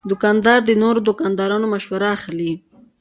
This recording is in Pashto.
دوکاندار د نورو دوکاندارانو مشوره اخلي.